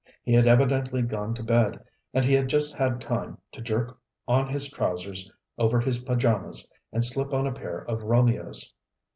He had evidently gone to bed, and he had just had time to jerk on his trousers over his pajamas and slip on a pair of romeos.